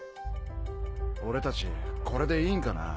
俺たちこれでいいんかな？